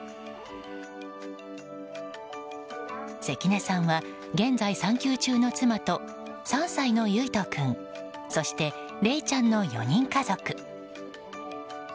関根さんは、現在産休中の妻と３歳のゆいと君そして、れいちゃんの４人家族。